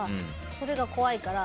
それが怖いから。